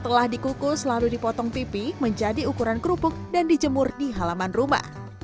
setelah dikukus lalu dipotong pipi menjadi ukuran kerupuk dan dijemur di halaman rumah